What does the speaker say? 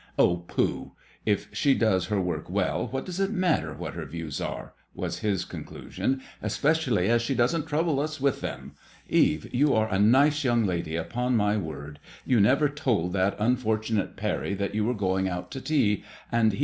" Oh, pooh 1 If she does her work well what does it matter what her views are," was his conclusion, "especially as she doesn't trouble us with them? Eve, you are a nice young lady, upon my word. You never told that unfortunate Parry that you were going out to tea, and he 5 6t ICADEMOISELLK IXB.